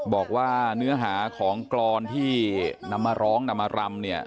บอกว่าเนื้อหาของกรอนที่นำมาร้องนำมารำเนี่ย